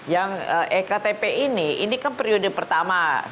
yang ektp ini ini kan periode pertama